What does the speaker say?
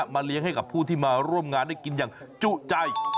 เลี้ยงให้กับผู้ที่มาร่วมงานได้กินอย่างจุใจ